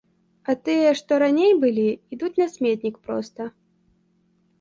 А тыя, што раней былі, ідуць на сметнік проста.